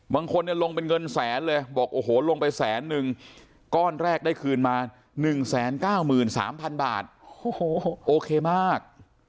บางคนเนี่ยลงเป็นเงินแสนเลยบอกโอ้โหลงไปแสนนึงก้อนแรกได้คืนมา๑๙๓๐๐๐บาทโอ้โหโอเคมาก